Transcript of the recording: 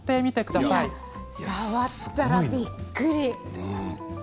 触ったら、びっくり。